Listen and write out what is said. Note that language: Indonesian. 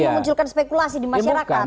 yang munculkan spekulasi di masyarakat